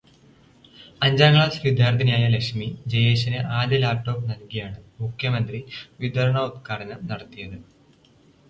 അഞ്ചാം ക്ലാസ് വിദ്യാര്ത്ഥിനിയായ ലക്ഷ്മി ജയേഷിന് ആദ്യ ലാപ്ടോപ്പ് നല്കിയാണ് മുഖ്യമന്ത്രി വിതരണോദ്ഘാടനം നടത്തിയത്.